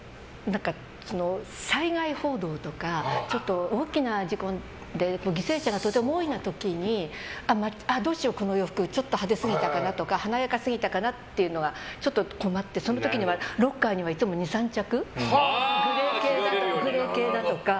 災害報道とか大きな事故で犠牲者がとても多いような時にどうしよう、この洋服ちょっと派手すぎたかなとか華やかすぎたかなっていうのはちょっと困るので、その時にはロッカーには、いつも２３着グレー系だとか。